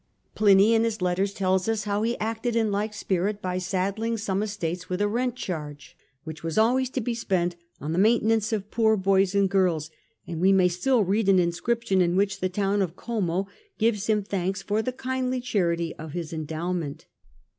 Pliny in his letters tells us how he had acted in like spirit, by saddling some estates with a rent charge which was always to be spent on the maintenance of poor boys and girls, and we may still read an inscription in which the town of Como gives him thanks for the kindly charity of his endowment.